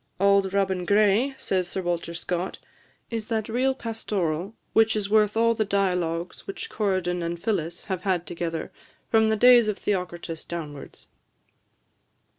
"'Auld Robin Gray,'" says Sir Walter Scott, "is that real pastoral which is worth all the dialogues which Corydon and Phillis have had together, from the days of Theocritus downwards."